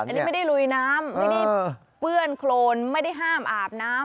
อันนี้ไม่ได้ลุยน้ำไม่ได้เปื้อนโครนไม่ได้ห้ามอาบน้ำ